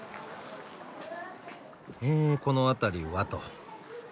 えこの辺りはと。